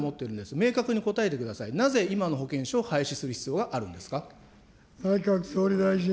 明確に答えてください、なぜ、今の保険証を廃止する必要があるんですか。